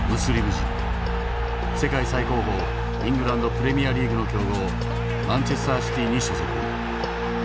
最高峰イングランド・プレミアリーグの強豪マンチェスター・シティーに所属。